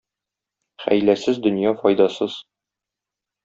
Хәйләсез дөнья файдасыз.